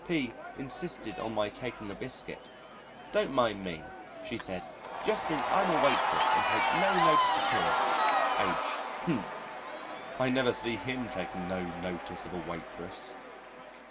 P insisted on my taking a biscuit. "Don't mind me," she said. "Just think I'm a waitress and take no notice at all." H.: "Humph! I never see him taking no notice of a waitress."